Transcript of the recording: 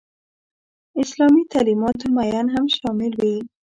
اسلامي تعلیماتو معین هم شامل وي.